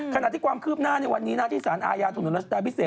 ขณะที่ความคืบหน้าวันนี้นาทิสารอายาธุรกรรมรัฐศาสตร์พิเศษ